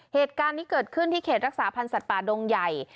เหตุการณ์นี้เกิดขึ้นที่เขตรักษาพันธ์สัตว์ป่าดงใหญ่